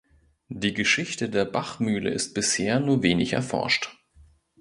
Die Geschichte der Bachmühle ist bisher nur wenig erforscht.